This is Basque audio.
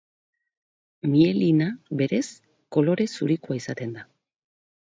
Mielina, berez, kolore zurikoa izaten da.